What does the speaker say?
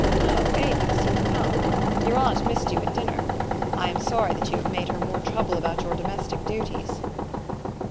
11 O Avis! you have come. Your aunt missed you at dinner. I am sorry that you have made her more trouble about your domestic duties."